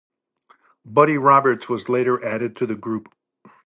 Buddy Roberts was later added to the group.